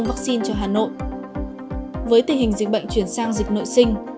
với tình hình dịch bệnh chuyển sang dịch nội sinh